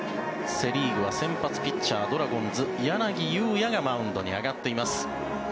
セ・リーグは先発ピッチャードラゴンズ、柳裕也がマウンドに上がっています。